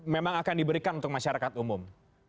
memang akan diberikan untuk masyarakat umum